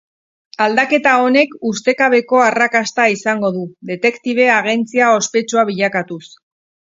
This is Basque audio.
Aldaketa honek ustekabeko arrakasta izango du, detektibe agentzia ospetsua bilakatuz.